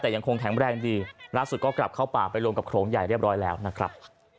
แต่ยังคงแข็งแรงดีล่าสุดก็กลับเข้าป่าไปรวมกับโลงใหญ่เรียบร้อยแล้วนะครับ